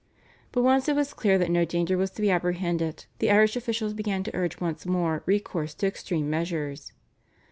But once it was clear that no danger was to be apprehended the Irish officials began to urge once more recourse to extreme measures.